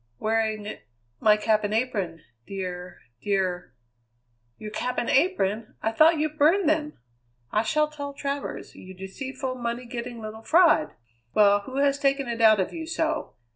"Wearing my cap and apron, dear, dear " "Your cap and apron? I thought you burned them! I shall tell Travers, you deceitful, money getting little fraud! Well, who has taken it out of you so?